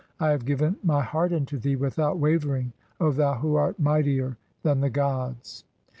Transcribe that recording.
I have given my heart unto thee (3o) without wavering, "O thou who art mightier than the gods."